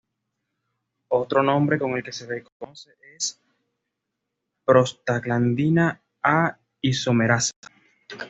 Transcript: Otro nombre con el que se la conoce es "prostaglandina A isomerasa".